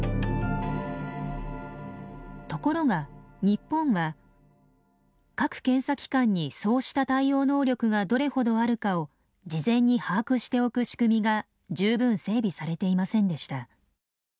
ところが日本は各検査機関にそうした対応能力がどれほどあるかを事前に把握しておく仕組みが十分整備されていませんでした。